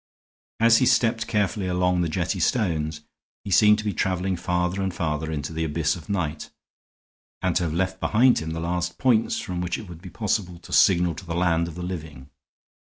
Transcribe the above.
As he stepped carefully along the jetty stones he seemed to be traveling farther and farther into the abyss of night, and to have left behind him the last points from which it would be possible to signal to the land of the living.